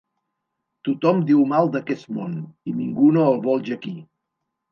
Tothom diu mal d'aquest món i ningú no el vol jaquir.